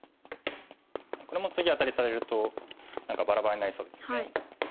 これも次アタリされると何かバラバラになりそうですよね。